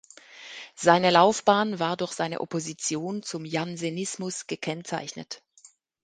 Seine Laufbahn war durch seine Opposition zum Jansenismus gekennzeichnet.